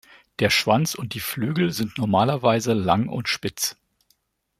Der Schwanz und die Flügel sind normalerweise lang und spitz.